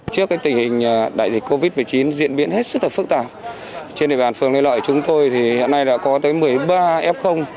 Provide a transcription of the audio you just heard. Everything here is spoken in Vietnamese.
trước tình hình đại dịch covid một mươi chín diễn biến hết sức là phức tạp trên địa bàn phường lê lợi chúng tôi thì hiện nay đã có tới một mươi ba f